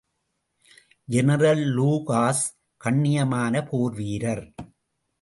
General Lucas கண்ணியமான போர் வீரர்.